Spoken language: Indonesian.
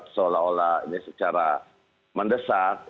seolah olah ini secara mendesak